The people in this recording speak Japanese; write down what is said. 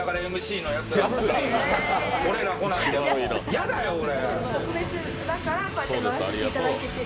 やだよ、俺。